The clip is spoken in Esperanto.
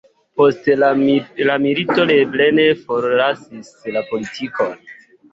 Post la milito li plene forlasis la politikon.